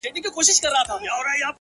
ستا د سترگو جام مي د زړه ور مات كـړ’